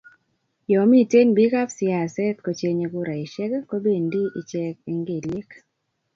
yo miten bikap siaset kochenge kuraishek, kobendi iche eng kelyek